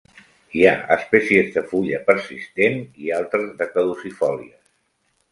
Hi ha espècies de fulla persistent i altres de caducifòlies.